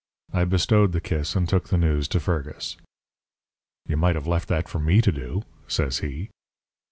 I bestowed the kiss and took the news to Fergus. "'You might have left that for me to do,' says he.